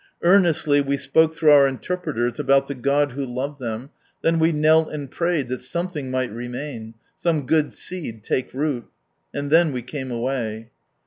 Earnestly we spoke through our interpreters about the God who loved them, then we knelt and prayed that something might remain, some good seed take root. And then we came away.